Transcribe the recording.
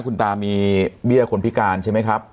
คุณตามีเบี้ยคนพิการใช่ไหมครับ